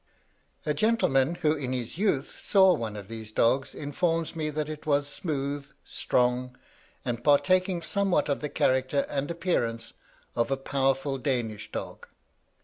A gentleman, who in his youth saw one of these dogs, informs me that it was smooth, strong, and partaking somewhat of the character and appearance of a powerful Danish dog.